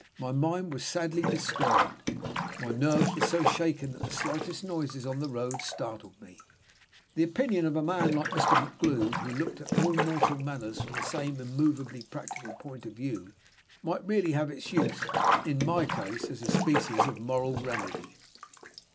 My mind was sadly disturbed; my nerves were so shaken that the slightest noises on the road startled me. The opinion of a man like Mr. MacGlue, who looked at all mortal matters from the same immovably practical point of view, might really have its use, in my case, as a species of moral remedy.